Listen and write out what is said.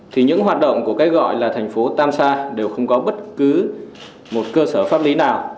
thì những hoạt động của cái gọi là thành phố tam sa đều không có bất cứ một cơ sở pháp lý nào